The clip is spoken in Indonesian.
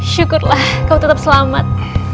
syukurlah kau tetap selamat